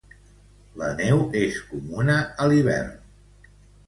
La neu és comuna a l'hivern.